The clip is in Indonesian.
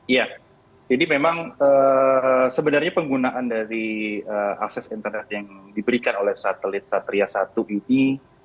iya jadi memang sebenarnya penggunaan dari akses internet yang diberikan oleh satelit satria satu ini